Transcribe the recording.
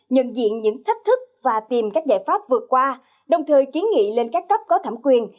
nhận diện những thách thức và tìm các giải pháp vượt qua đồng thời kiến nghị lên các cấp có thẩm quyền